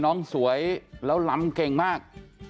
น้องสวยแล้วลำเก่งมาก